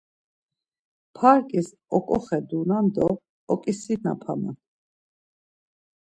Parǩis oǩoxedunan do oǩisinapaman.